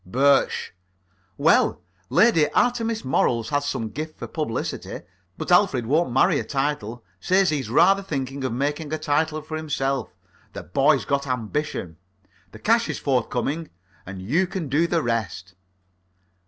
BIRSCH: Well, Lady Artemis Morals has some gift for publicity. But Alfred won't marry a title say's he rather thinks of making a title for himself. The boy's got ambition. The cash is forthcoming. And you can do the rest.